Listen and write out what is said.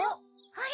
・あれ？